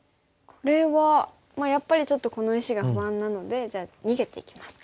これはまあやっぱりちょっとこの石が不安なのでじゃあ逃げていきますか。